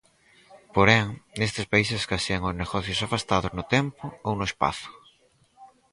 Porén, nestes países escasean os negocios afastados no tempo ou no espazo.